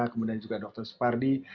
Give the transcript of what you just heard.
kemudian juga dokter sephardi